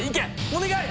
お願い！